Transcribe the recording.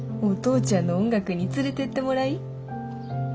お父ちゃんの音楽に連れてってもらい。